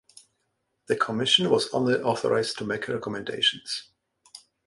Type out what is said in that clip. The Commission was only authorized to make recommendations.